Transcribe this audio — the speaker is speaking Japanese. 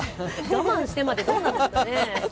我慢してまで、どうなんですかね。